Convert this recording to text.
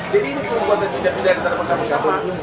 jadi ini perbuatan tidak bisa bersama sama